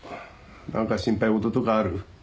何か心配事とかある？